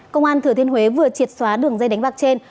công an thừa thiên huế vừa triệt xóa đường dây đánh bạc trên